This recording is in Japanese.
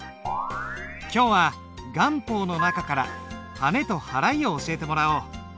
今日は顔法の中からはねと払いを教えてもらおう。